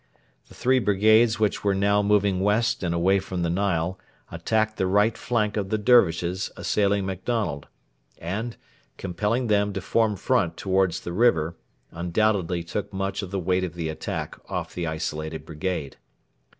The three brigades which were now moving west and away from the Nile attacked the right flank of the Dervishes assailing MacDonald, and, compelling them to form front towards the river, undoubtedly took much of the weight of the attack off the isolated brigade.